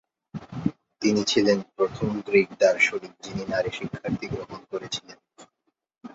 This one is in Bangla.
তিনি ছিলেন প্রথম গ্রিক দার্শনিক যিনি নারী শিক্ষার্থী গ্রহণ করেছিলেন।